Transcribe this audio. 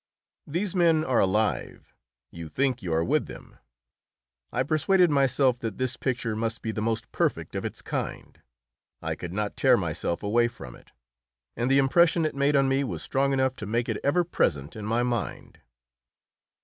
These men are alive; you think you are with them. I persuaded myself that this picture must be the most perfect of its kind; I could not tear myself away from it, and the impression it made on me was strong enough to make it ever present in my mind.